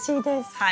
はい。